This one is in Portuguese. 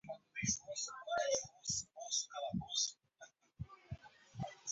não lhes permite unir-se